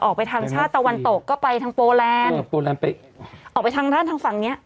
ออกไปทางชาติตะวันตกก็ไปทางโปรแลนด์ออกโปแลนดไปออกไปทางด้านทางฝั่งเนี้ย